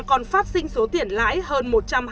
còn phát sinh số tiền lãi hơn